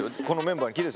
このメンバーに。